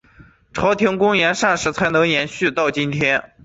朝鲜宫廷膳食才能延续到今天。